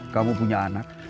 kamu punya anak